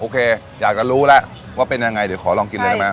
อยากจะรู้แล้วว่าเป็นยังไงเดี๋ยวขอลองกินเลยได้ไหม